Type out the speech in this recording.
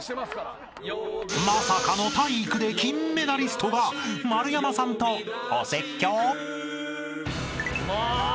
［まさかの体育で金メダリストが丸山さんとお説教］も！